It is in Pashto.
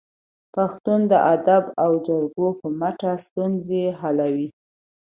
پښتون د ادب او جرګو په مټ ستونزې حلوي.